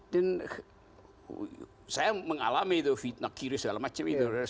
dan saya mengalami fitnah kiri segala macam itu